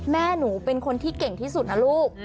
แม่หนูเป็นคนที่เก่งที่สุดนะลูก